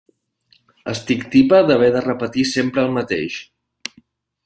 Estic tipa d'haver de repetir sempre el mateix.